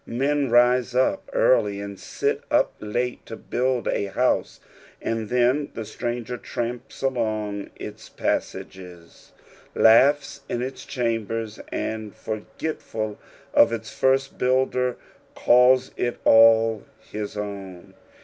Men rise up early and sit up late to build a house, and then the stranger tramps along its pasanges, iaughs in its chambers, and for getful of its first builder, calls it all his own.